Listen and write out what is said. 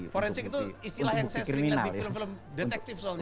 forensik itu istilah yang saya sering lihat di film film detektif soalnya